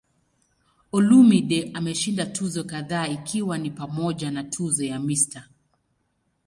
Olumide ameshinda tuzo kadhaa ikiwa ni pamoja na tuzo ya "Mr.